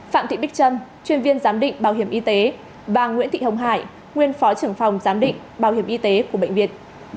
phạm thị bích trâm chuyên viên giám định bảo hiểm y tế và nguyễn thị hồng hải nguyên phó trưởng phòng giám định bảo hiểm y tế của bệnh viện